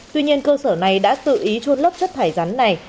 tuy nhiên cơ sở này đã tự ý trôn lấp chất thải rắn này